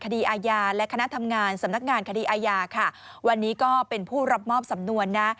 คดีอาญาและคณะทำงานสำนักงานคดีอาญาค่ะวันนี้ก็เป็นผู้รับมอบสำนวนนะ